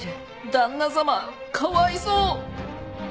旦那様かわいそう！